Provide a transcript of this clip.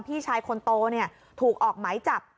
พี่ชายคนโตเนี่ยถูกออกไหมจับ